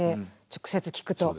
直接聞くと。